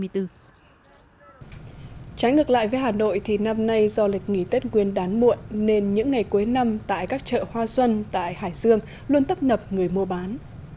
tại với hà nội thì năm nay do lịch nghỉ tết quyền đán muộn nên những ngày cuối năm tại các chợ hoa xuân tại hải dương luôn tấp nập người mua bán